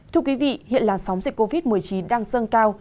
thưa quý vị hiện làn sóng dịch covid một mươi chín đang dâng cao